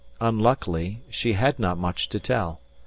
Unluckily she had not much to tell.